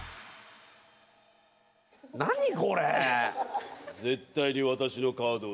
何これ！